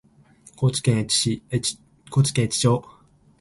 高知県越知町